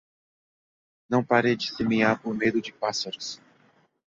Não pare de semear por medo de pássaros.